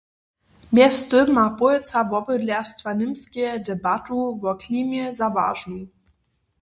Mjeztym ma połojca wobydlerstwa Němskeje debatu wo klimje za wažnu.